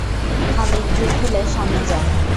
খালিদ ভীড় ঠেলে সামনে যান।